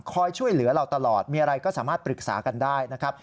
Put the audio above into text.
ช่วยเหลือเราตลอดมีอะไรก็สามารถปรึกษากันได้นะครับ